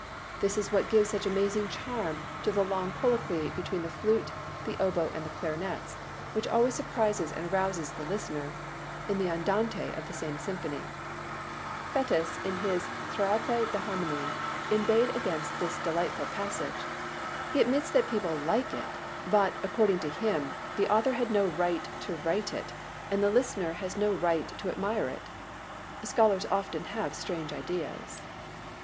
This is what gives such amazing charm to the long colloquy between the flute, the oboe and the clarinets, which always surprises and arouses the listener, in the andante of the same symphony. Fétis in his Traité d'Harmonie inveighed against this delightful passage. He admits that people like it, but, according to him, the author had no right to write it and the listener has no right to admire it. Scholars often have strange ideas.